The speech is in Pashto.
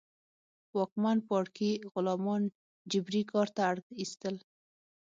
واکمن پاړکي غلامان جبري کار ته اړ اېستل.